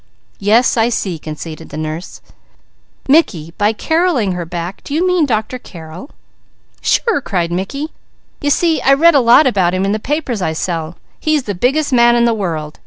"Yes, I see!" conceded the nurse. "Mickey, by Carreling her back, do you mean Dr. Carrel?" "Sure!" cried Mickey. "You see I read a lot about him in the papers I sell. He's the biggest man in the _world!